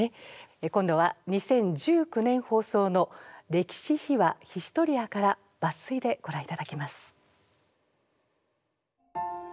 今度は２０１９年放送の「歴史秘話ヒストリア」から抜粋でご覧いただきます。